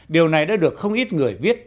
điều này đã được không ít người viết